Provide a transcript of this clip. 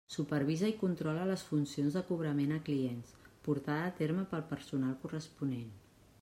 Supervisa i controla les funcions de cobrament a clients, portada a terme pel personal corresponent.